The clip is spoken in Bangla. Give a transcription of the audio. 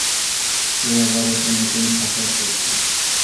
এ আবার একটা নতুন ফ্যাসাদ দেখছি।